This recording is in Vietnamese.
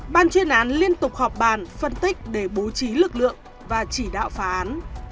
ban chuyên án liên tục họp bàn phân tích để bố trí lực lượng và chỉ đạo phá án